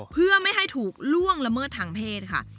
เพื่อไม่ให้ถูกล่วงละเมิดทางเพศค่ะ